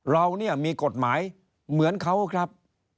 เราเนี่ยมีกฎหมายเหมือนเขาครับ